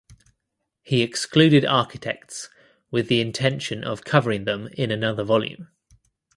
He excluded architects with the intention of covering them in another volume.